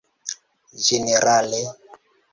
ĝenerale